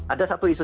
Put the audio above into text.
ada satu isu